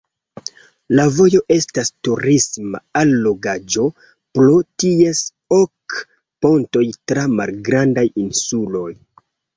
La vojo estas turisma allogaĵo pro ties ok pontoj tra malgrandaj insuloj.